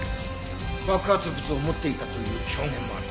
爆発物を持っていたという証言もある。